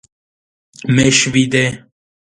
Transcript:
მეშვიდე.